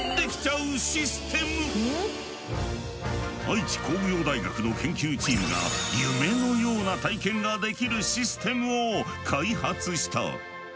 愛知工業大学の研究チームが夢のような体験ができるシステムを開発した。